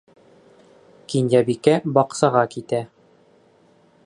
Кинйәбикә баҡсаға китә.